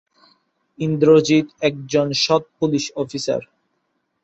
ইন্দ্রজিৎ একজন সৎ police officer.